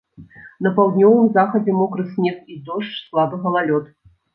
На паўднёвым захадзе мокры снег і дождж, слабы галалёд.